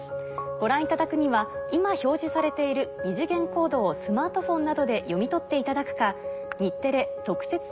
ご覧いただくには今表示されている二次元コードをスマートフォンなどで読み取っていただくか。